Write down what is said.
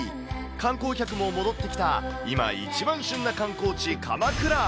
観光客も戻ってきた、今一番旬な観光地、鎌倉。